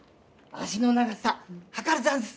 足の長さはかるざんす！